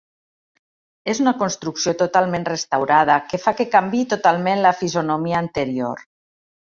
És una construcció totalment restaurada que fa que canviï totalment la fisonomia anterior.